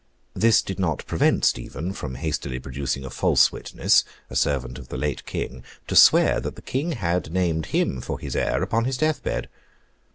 This did not prevent Stephen from hastily producing a false witness, a servant of the late King, to swear that the King had named him for his heir upon his death bed.